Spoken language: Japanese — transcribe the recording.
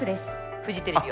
フジテレビは？